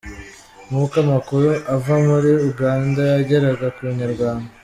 Nkuko amakuru ava muri Uganda yageraga ku Inyarwanda.